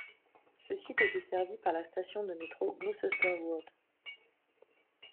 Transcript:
Ce site est desservi par la station de métro Gloucester Road.